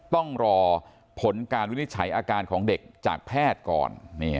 ต้องรอผลการวินิจฉัยอาการของเด็กจากแพทย์ก่อน